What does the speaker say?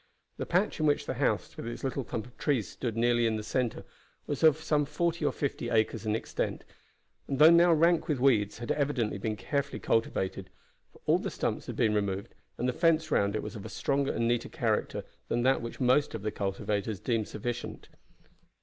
The patch, in which the house with its little clump of trees stood nearly in the center, was of some forty or fifty acres in extent, and though now rank with weeds, had evidently been carefully cultivated, for all the stumps had been removed, and the fence round it was of a stronger and neater character than that which most of the cultivators deemed sufficient.